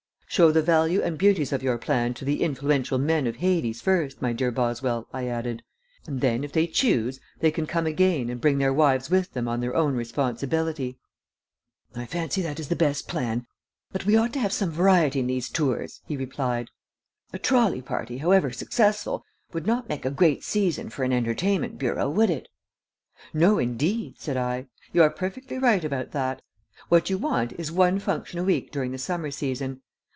"Show the value and beauties of your plan to the influential men of Hades first, my dear Boswell," I added, "and then if they choose they can come again and bring their wives with them on their own responsibility." "I fancy that is the best plan, but we ought to have some variety in these tours," he replied. "A trolley party, however successful, would not make a great season for an entertainment bureau, would it?" "No, indeed," said I. "You are perfectly right about that. What you want is one function a week during the summer season.